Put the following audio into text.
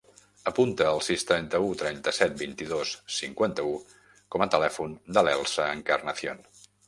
Apunta el sis, trenta-u, trenta-set, vint-i-dos, cinquanta-u com a telèfon de l'Elsa Encarnacion.